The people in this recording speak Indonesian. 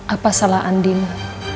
apa salah andi mu